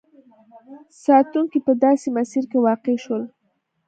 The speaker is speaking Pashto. ساتونکي په داسې مسیر کې واقع شول.